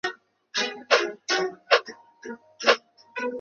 不同的健力组织所举行的竞赛有不同的规则。